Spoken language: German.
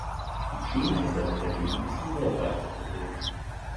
Die Klimaänderung dagegen ist ein weltweites Problem.